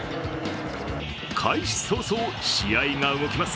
開始早々、試合が動きます。